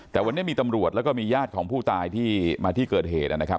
แต่วันนี้มีตำรวจแล้วก็มีญาติของผู้ตายที่มาที่เกิดเหตุนะครับ